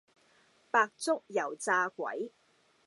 白粥油炸鬼